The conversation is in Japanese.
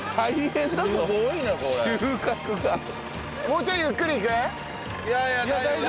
もうちょいゆっくりいく？